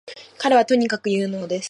彼はとにかく有能です